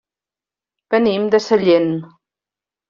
Venim de Sellent.